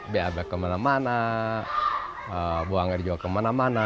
biar kemana mana buang air juga kemana mana